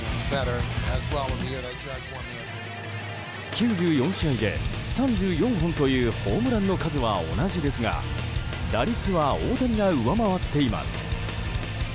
９４試合で３４本というホームランの数は同じですが打率は大谷が上回っています。